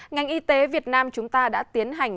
ngành y tế việt nam chúng ta đã tiến hành